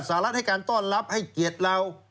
สหรัฐให้การต้อนรับให้เกียรติเรา